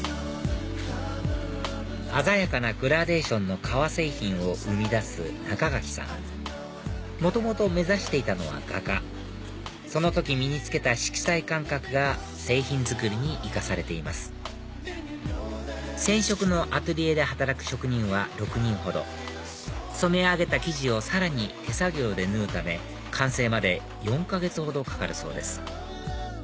鮮やかなグラデーションの革製品を生み出す仲垣さん元々目指していたのは画家その時身につけた色彩感覚が製品作りに生かされています染色のアトリエで働く職人は６人ほど染め上げた生地をさらに手作業で縫うため完成まで４か月ほどかかるそうです